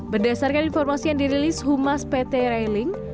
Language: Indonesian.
berdasarkan informasi yang dirilis humas pt railing